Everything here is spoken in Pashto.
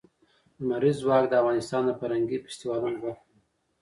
لمریز ځواک د افغانستان د فرهنګي فستیوالونو برخه ده.